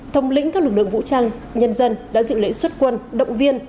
thống lĩnh các lực lượng vũ trang nhân dân đã dự lễ xuất quân động viên